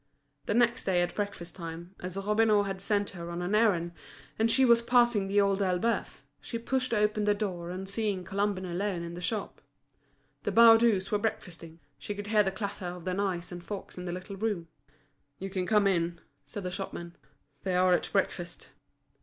The next day at breakfast time, as Robineau had sent her on an errand, and she was passing The Old Elbeuf, she pushed open the door on seeing Colomban alone in the shop. The Baudus were breakfasting; she could hear the clatter of the knives and forks in the little room. "You can come in," said the shopman. "They are at breakfast."